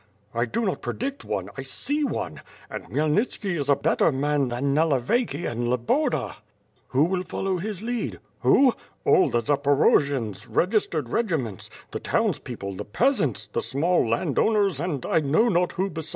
"I do not predict one, I see one, and Khmyelnitski is a better man than Nalevayki and Loboda." '*Who will follow his lead?" "Who? All the Zaporojians, registered regiments. The townspeople; the peasants; the small land owners and I know not who besides."